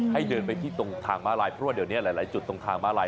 ให้เดินไปที่ตรงทางม้าลายเพราะว่าเดี๋ยวนี้หลายจุดตรงทางม้าลาย